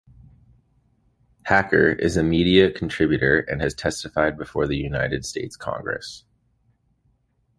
Hacker is a media contributor and has testified before the United States Congress.